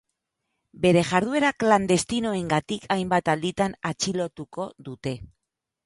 Bere jarduera klandestinoengatik hainbat alditan atxilotuko dute.